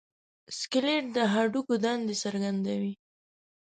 سکلیټ د هډوکو دندې څرګندوي.